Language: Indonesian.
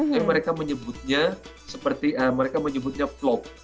tapi mereka menyebutnya seperti mereka menyebutnya vlog